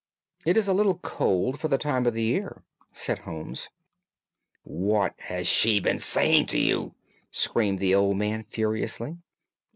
"It is a little cold for the time of the year," said Holmes. "What has she been saying to you?" screamed the old man furiously.